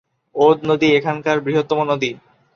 ওদ নদী এখানকার বৃহত্তম নদী।